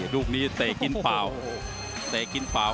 ดูสักดีเตะกลีตป่าว